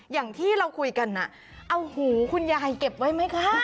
อย่างที่เราคุยกันเอาหูคุณยายเก็บไว้ไหมคะ